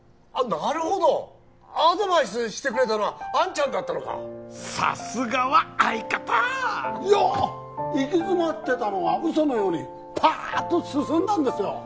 なるほどアドバイスしてくれたのはあんちゃんだったのかさすがは相方いやあ行き詰まってたのが嘘のようにパーッと進んだんですよ